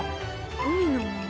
海のもの